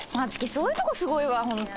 そういうとこすごいわ本当。